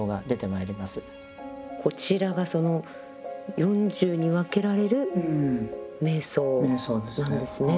こちらがその４０に分けられる瞑想なんですね。